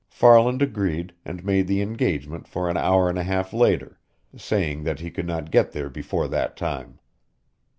Farland agreed, and made the engagement for an hour and a half later, saying that he could not get there before that time.